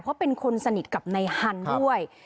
เพราะเป็นคนสนิทกับนายฮันด้วย